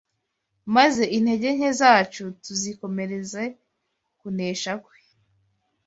maze intege nke zacu tuzikomereze ku kunesha kwe.